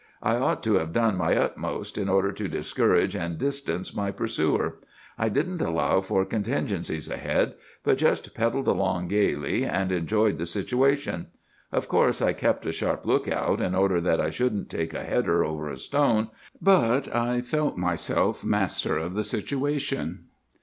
I ought to have done my utmost, in order to discourage and distance my pursuer. I didn't allow for contingencies ahead, but just pedalled along gayly and enjoyed the situation. Of course I kept a sharp lookout, in order that I shouldn't take a header over a stone; but I felt myself master of the situation.